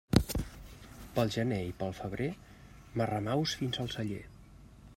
Pel gener i pel febrer marramaus fins al celler.